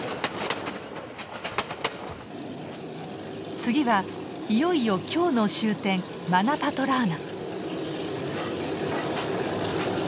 次はいよいよ今日の終点マナパトラーナ。